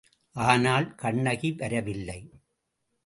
ஆனால், கண்ணகி வரவில்லை.